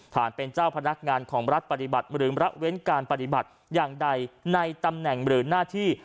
เป็นเจ้าพนักงานของรัฐปฏิบัติหรือระเว้นการปฏิบัติอย่างใดในตำแหน่งหรือหน้าที่